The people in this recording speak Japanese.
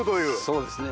そうですね。